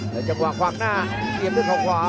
แล้วจังหวะขวางหน้าเสียบด้วยเขาขวา